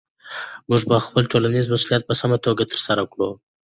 موږ به خپل ټولنیز مسؤلیت په سمه توګه ترسره کړو.